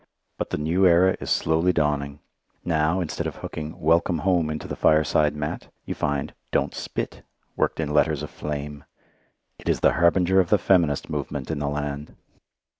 But the new era is slowly dawning. Now, instead of hooking "Welcome Home" into the fireside mat, you find "DONT SPIT" worked in letters of flame. It is the harbinger of the feminist movement in the land.